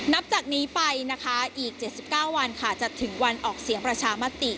นับจากนี้ไปนะคะอีก๗๙วันค่ะจะถึงวันออกเสียงประชามติ